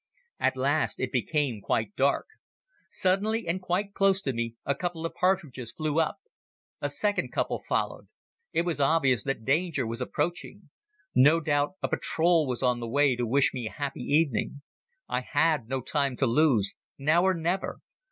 "At last it became quite dark. Suddenly and quite close to me a couple of partridges flew up. A second couple followed. It was obvious that danger was approaching. No doubt a patrol was on the way to wish me a happy evening. "I had no time to lose. Now or never.